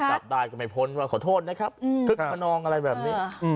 จับได้ก็ไม่พ้นว่าขอโทษนะครับคึกขนองอะไรแบบนี้